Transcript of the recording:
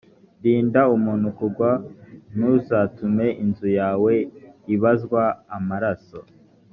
rinda umuntu kugwa: ntuzatume inzu yawe ibazwa amaraso